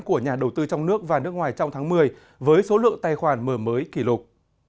của nhà đầu tư trong nước và nước ngoài trong tháng một mươi với số lượng tài khoản mở mới kỷ lục